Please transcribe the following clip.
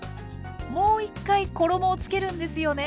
もう１回衣をつけるんですよね？